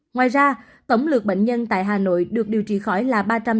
ngoài ra tổng lượt bệnh nhân tại hà nội được điều trị khỏi là